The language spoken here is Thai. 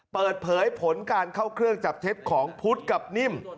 เปิดเผยผลการเข้าเครื่องจับเท็จของพุทธกับนิ่ม